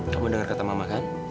kamu dengar kata mama kan